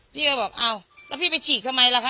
พี่ก็บอกอ้าวแล้วพี่ไปฉีดทำไมล่ะคะ